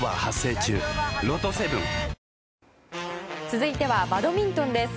続いてはバドミントンです。